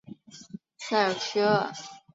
塞尔屈厄。